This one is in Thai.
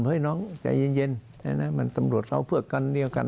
ให้น้องใจเย็นมันตำรวจเราเพื่อกันเดียวกัน